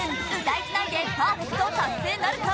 いつないでパーフェクト達成なるか？